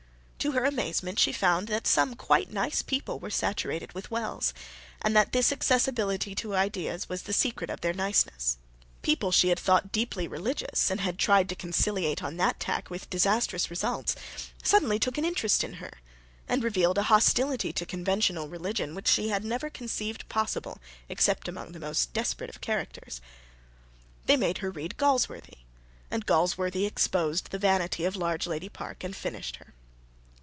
To her amazement she found that some "quite nice" people were saturated with Wells, and that this accessibility to ideas was the secret of their niceness. People she had thought deeply religious, and had tried to conciliate on that tack with disastrous results, suddenly took an interest in her, and revealed a hostility to conventional religion which she had never conceived possible except among the most desperate characters. They made her read Galsworthy; and Galsworthy exposed the vanity of Largelady Park and finished her.